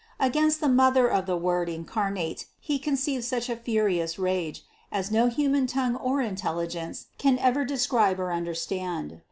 Against the Mother of the Word incarnate he conceived such a furi ous rage, as no human tongue or intelligence can ever describe or understand.